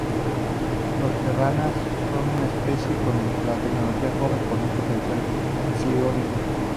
Los Terran son una especie con tecnología joven con un potencial psiónico.